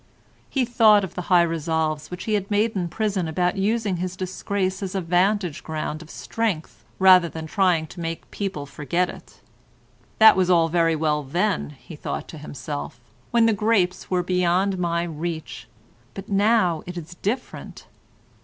He thought of the high resolves which he had made in prison about using his disgrace as a vantage ground of strength rather than trying to make people forget it. "That was all very well then," he thought to himself, "when the grapes were beyond my reach, but now it is different."